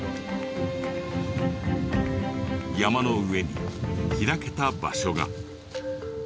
山の上に開けた場所が。